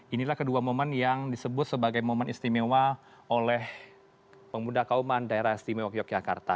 inilah kedua momen yang disebut sebagai momen istimewa oleh pemuda kauman daerah istimewa yogyakarta